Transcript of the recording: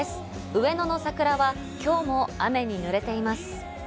上野の桜は今日も雨に濡れています。